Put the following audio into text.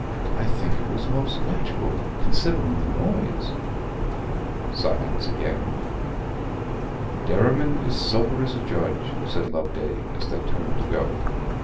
'I think it was most natural, considering the noise.' Silence again. 'Derriman is sober as a judge,' said Loveday, as they turned to go.